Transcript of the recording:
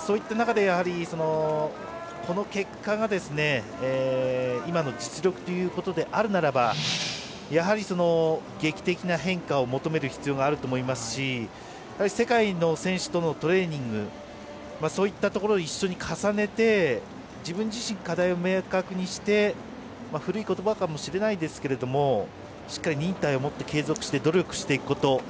そういった中で、この結果が今の実力ということであるならばやはり劇的な変化を求める必要があるかと思いますし世界の選手とのトレーニングそういったところを一緒に重ねて自分自身の課題を明確にして古い言葉かもしれないですけどしっかり忍耐を持って継続して努力していくこと。